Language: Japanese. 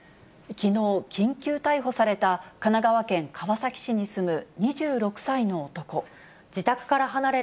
きのう、緊急逮捕された神奈川県川崎市に住む２６歳の男。